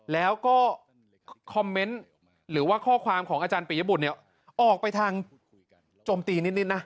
แล้วก็คอมเมนต์หรือว่าข้อความของอาจารย์ปียบุตรเนี่ยออกไปทางโจมตีนิดนะ